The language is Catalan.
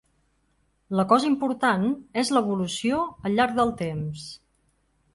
La cosa important és l’evolució al llarg del temps.